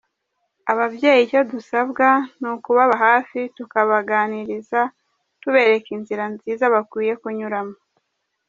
Ababyeyi icyo dusabwa ni ukubaba hafi tukabaganiriza tubereka inzira nziza bakwiye kunyuramo”.